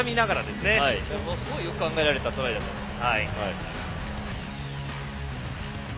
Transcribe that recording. すごいよく考えられたトライだと思います。